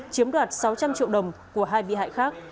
chiếm đoạt sáu trăm linh triệu đồng của hai bị hại khác